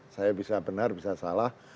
saya bisa benar bisa salah